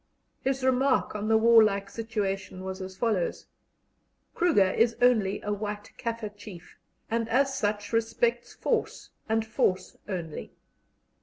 His remark on the warlike situation was as follows: "Kruger is only a white Kaffir chief, and as such respects force, and force only.